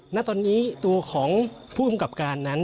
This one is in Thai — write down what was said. ณตอนนี้ตัวของผู้กำกับการนั้น